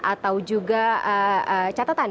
atau juga catatan